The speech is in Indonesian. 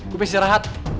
gue besi segera hat